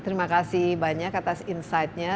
terima kasih banyak atas insightnya